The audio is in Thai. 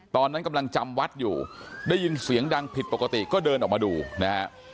ตอนนั้นกำลังจำวัดอยู่ได้ยินเสียงดังผิดปกติก็เดินออกมาดูนะฮะ